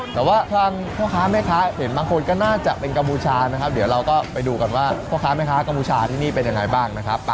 แต่ว่าทางพ่อค้าแม่ค้าเห็นบางคนก็น่าจะเป็นกัมพูชานะครับเดี๋ยวเราก็ไปดูกันว่าพ่อค้าแม่ค้ากัมพูชาที่นี่เป็นยังไงบ้างนะครับ